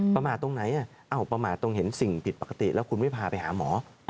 ประมาทตรงไหนประมาทตรงเห็นสิ่งผิดปกติแล้วคุณไม่พาไปหาหมอ